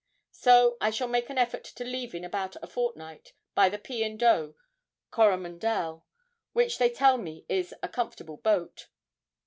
So I shall make an effort to leave in about a fortnight by the P. and O. "Coromandel," which they tell me is a comfortable boat.